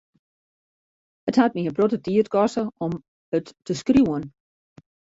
It hat my in protte tiid koste om it te skriuwen.